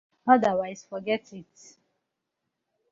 Otherwise forget it.